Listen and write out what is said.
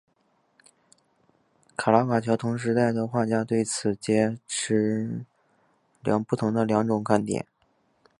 卡拉瓦乔同时代的画家对此持截然不同的两种观点。